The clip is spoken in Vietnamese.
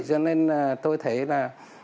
cho nên tôi thấy là